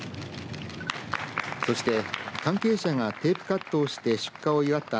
そして関係者がテープカットをして出荷を祝った